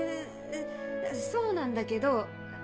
そうなんだけど。